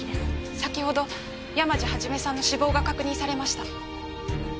先程山路肇さんの死亡が確認されました。